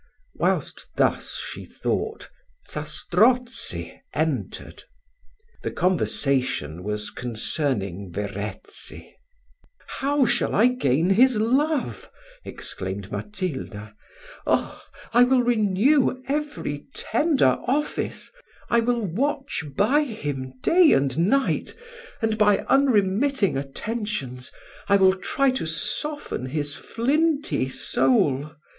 Whilst thus she thought, Zastrozzi entered The conversation was concerning Verezzi. "How shall I gain his love, Zastrozzi?" exclaimed Matilda. "Oh! I will renew every tender office I will watch by him day and night, and, by unremitting attentions, I will try to soften his flinty soul.